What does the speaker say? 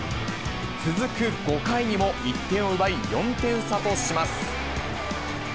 続く５回にも１点を奪い、４点差とします。